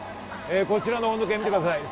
こちらの温度計を見てください